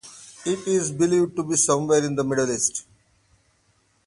It is believed to be somewhere in the Middle East.